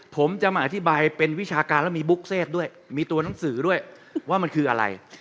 ผมจะมาอธิบายเป็นวิชาการแล้วมีบุ๊กเซฟด้วยมีตัวหนังสือด้วยว่ามันคืออะไร